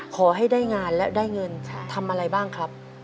ขอให้ได้งานและได้เงินทำอะไรบ้างครับ